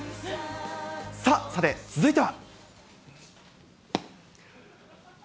さあ、さて、続いては。